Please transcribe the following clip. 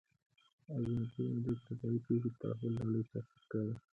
ازادي راډیو د طبیعي پېښې د تحول لړۍ تعقیب کړې.